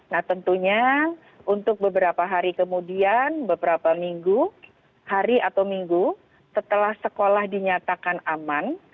nah tentunya untuk beberapa hari kemudian beberapa minggu hari atau minggu setelah sekolah dinyatakan aman